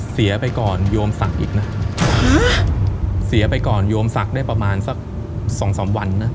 เสียไปก่อนโยมศักดิ์อีกนะเสียไปก่อนโยมศักดิ์ได้ประมาณสักสองสามวันนะ